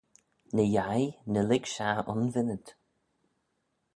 Ny-yeih ny lhig shaghey un vinnid.